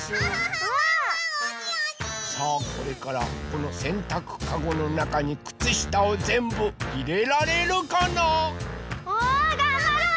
さあこれからこのせんたくカゴのなかにくつしたをぜんぶいれられるかな？わがんばる！